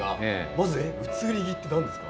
まずはえっ「移り気」って何ですか？